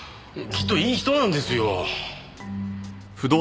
きっといい人なんですよ！